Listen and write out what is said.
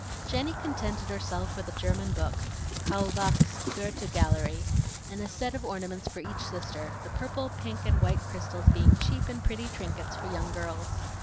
Jenny contented herself with a German book, Kaulbach's Goethe Gallery, and a set of ornaments for each sister; the purple, pink, and white crystals being cheap and pretty trinkets for young girls.